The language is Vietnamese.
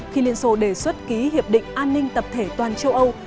khi liên xô đề xuất ký hiệp định an ninh tập thể toàn châu âu